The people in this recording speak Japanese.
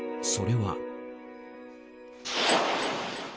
それは。